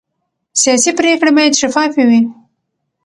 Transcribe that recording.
سیاسي پرېکړې باید شفافې وي